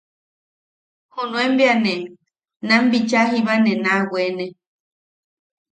Junuen bea ne nam bichaa jiba ne naa weene.